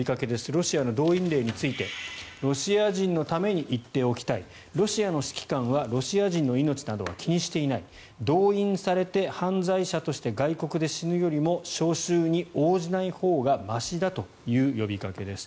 ロシアの動員令についてロシア人のために言っておきたいロシアの指揮官はロシア人の命などは気にしていない動員されて犯罪者として外国で死ぬよりも招集に応じないほうがましだという呼びかけです。